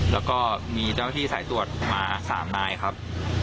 แล้วก็มีเจ้าหน้าที่สายตรวจมา๓นายครับ